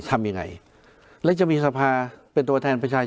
ทำอย่างไรแล้วจะมีทราพาเป็นตัวแทนประชาชน